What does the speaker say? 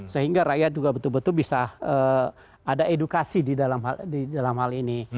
sehingga rakyat juga betul betul bisa ada edukasi di dalam hal ini